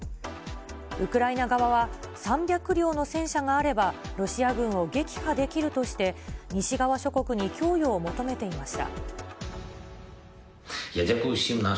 ウクライナ側は、３００両の戦車があればロシア軍を撃破できるとして、西側諸国に供与を求めていました。